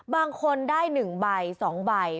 บางคนได้๑ใบ๒ใบ